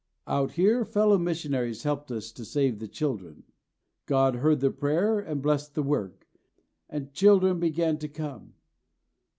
Out here fellow missionaries helped us to save the children. God heard the prayer and blessed the work, and children began to come.